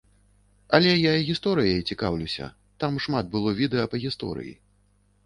Але я гісторыяй цікаўлюся, там шмат было відэа па гісторыі.